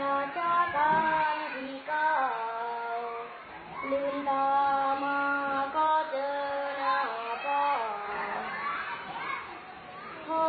เมื่อเช้ากลางที่เก่าหลุยรามาขาเจอหน้าป่าว